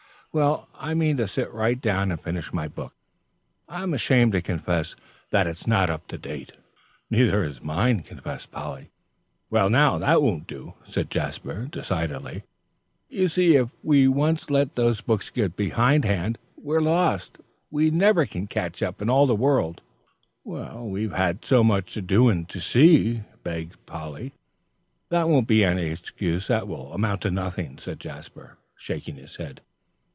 "Well, I mean to sit right down and finish my book. I'm ashamed to confess that it's not up to date." "Neither is mine," confessed Polly. "Well, now, that won't do," said Jasper, decidedly. "You see if we once let those books get behindhand, we're lost. We never can catch up, in all this world." "We've had so much to do and to see," began Polly. "That won't be any excuse that will amount to anything," said Jasper, shaking his head.